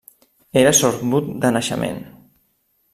Era sordmut de naixement.